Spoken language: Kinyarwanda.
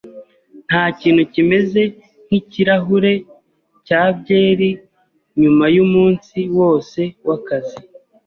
Ntakintu kimeze nkikirahure cya byeri nyuma yumunsi wose wakazi.